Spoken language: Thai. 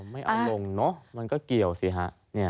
ไม่เอาลงเนอะมันก็เกี่ยวสิฮะ